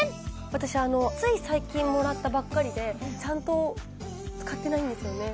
私あのつい最近もらったばっかりでちゃんと使ってないんですよね